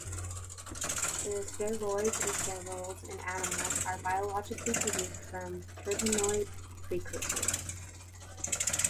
The steroids and sterols in animals are biologically produced from terpenoid precursors.